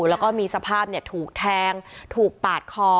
แล้วก็มีสภาพถูกแทงถูกปาดคอ